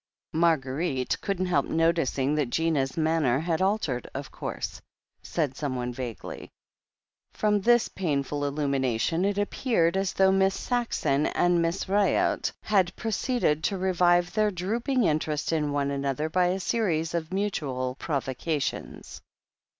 "Marguerite couldn't help noticing that Gina's man ner had altered, of course," said someone vaguely. From this painful illumination it appeared as though Miss Saxon and Miss Ryott had proceeded to revive THE HEEL OF ACHILLES 131 their drooping interest in one another by a series of mutual provocations.